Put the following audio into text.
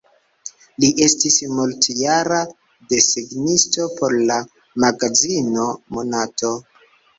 Li estis multjara desegnisto por la magazino Monato.